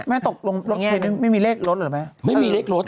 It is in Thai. ไม่ตกลงไม่มีเลขลดหรือไหม